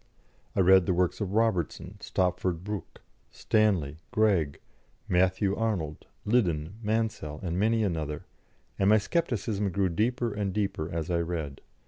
I read the works of Robertson, Stopford Brooke, Stanley, Greg, Matthew Arnold, Liddon, Mansel, and many another, and my scepticism grew deeper and deeper as I read.